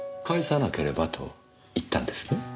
「返さなければ」と言ったんですね？